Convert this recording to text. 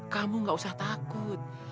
kamu gak usah takut